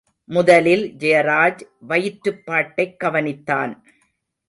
முதலில் ஜெயராஜ் வயிற்றுப்பாட்டைக் கவனித்தான்.